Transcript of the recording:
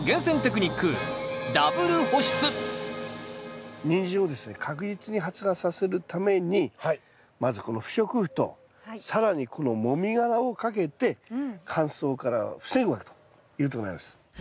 ダブル保湿ニンジンをですね確実に発芽させるためにまずこの不織布と更にこのもみ殻をかけて乾燥から防ぐということになります。